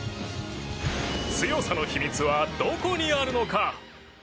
強さの秘密はどこにあるのか。